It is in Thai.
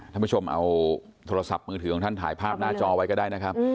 ท่านผู้ชมเอาโทรศัพท์มือถือของท่านถ่ายภาพหน้าจอไว้ก็ได้นะครับ